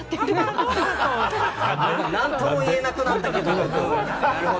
何とも言えなくなった。